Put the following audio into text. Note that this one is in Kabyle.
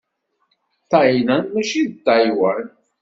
Ṭayland mačči d Ṭaywan.